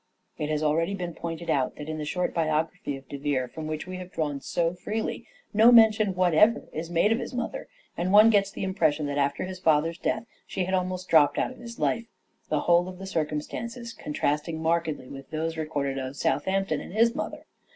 It has already been pointed out that in the short biography of De Vere, from which we have drawn so freely, no mention whatever is made of his mother, and one gets the impression that after his father's death she had almost dropped out of his life, the whole of the circumstances contrast ing markedly with those recorded of Southampton and his mother.